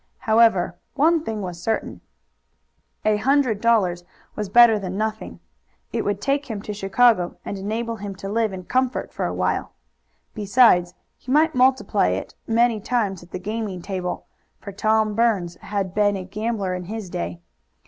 However, one thing was certain. A hundred dollars was better than nothing. It would take him to Chicago and enable him to live in comfort for a while. Besides, he might multiply it many times at the gaming table, for Tom Burns had been a gambler in his day.